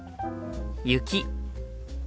雪。